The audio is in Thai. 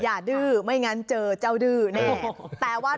อย่าดื้อไม่งั้นเจอเจ้าดื้อแน่